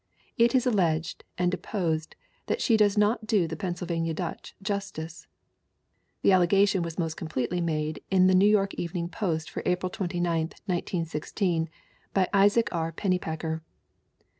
It is alleged and deposed that she does not do the Pennsylvania Dutch justice. The allegation was most completely made in the New York Evening Post for April 29, 1916, by Isaac R. Pennypacker.